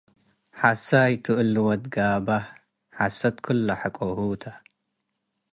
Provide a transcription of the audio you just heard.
ሐ’ሳይቱ እሊ ወድ ገ’በህ ሐሰት ክለ ሐቅሁተ